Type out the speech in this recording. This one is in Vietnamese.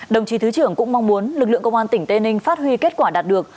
đồng chí thứ trưởng cũng mong muốn lực lượng công an tỉnh tây ninh phát huy kết quả đạt được